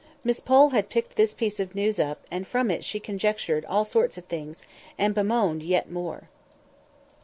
Miss Pole had picked this piece of news up, and from it she conjectured all sorts of things, and bemoaned yet more.